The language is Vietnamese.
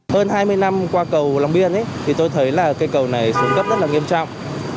hơn hai mươi năm qua cầu long biên thì tôi thấy là cây cầu này xuống cấp rất là nghiêm trọng